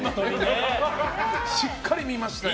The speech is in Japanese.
しっかり見ましたよ。